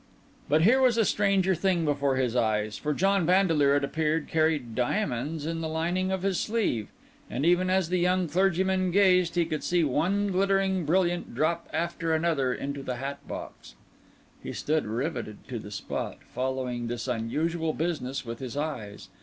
But here was a stranger thing before his eyes; for John Vandeleur, it appeared, carried diamonds in the lining of his sleeve; and even as the young clergyman gazed, he could see one glittering brilliant drop after another into the hat box. He stood riveted to the spot, following this unusual business with his eyes.